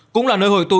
cũng là nơi hồi tụ